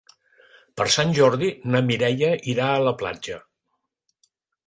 Per Sant Jordi na Mireia irà a la platja.